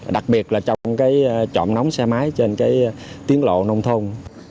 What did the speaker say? đặc biệt là trộm nóng xe máy trên tiến lộ nông thôn